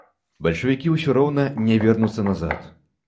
Бальшавікі ўсё роўна не вернуцца назад.